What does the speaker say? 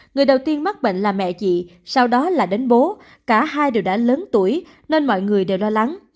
người đầu tiên mắc bệnh là mẹ chị sau đó là đến bố cả hai đều đã lớn tuổi nên mọi người đều lo lắng